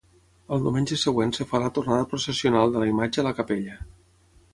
Al diumenge següent es fa la tornada processional de la imatge a la capella.